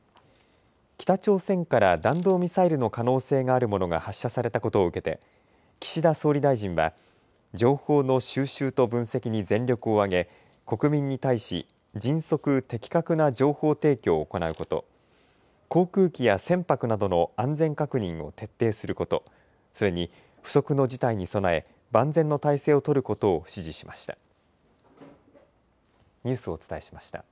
北朝鮮から弾道ミサイルの可能性があるものが発射されたことを受けて、岸田総理大臣は、情報の収集と分析に全力を挙げ、国民に対し、迅速・的確な情報提供を行うこと、航空機や船舶などの安全確認を徹底すること、それに不測の事態に備え、万全の態勢を取ることを指示しました。